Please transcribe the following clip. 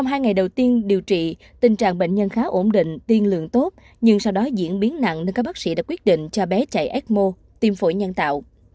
nhưng điều trị tình trạng bệnh nhân khá ổn định tiên lượng tốt nhưng sau đó diễn biến nặng nên các bác sĩ đã quyết định cho bé chạy ecmo tiêm phổi nhân tạo